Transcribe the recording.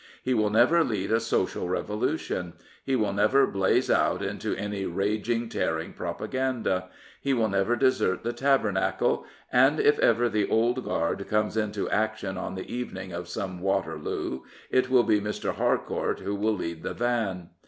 He will never lead a Social Revolution. He will never blaze out into any " raging, tearing propaganda." He will never desert the tabernacle, and if ever the Old Guard comes into action on the evening of some Waterloo, it will be Mr. Harcourt who will lead the van.